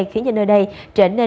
khiến nơi đây trở nên khó khăn